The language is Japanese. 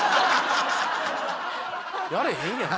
やれへんやん。